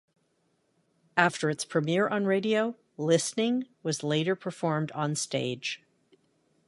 After its premiere on radio, "Listening" was later performed on stage.